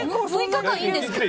６日間、いいんですか？